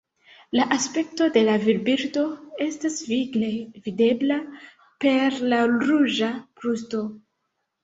La aspekto de la virbirdo estas vigle videbla, per la ruĝa brusto.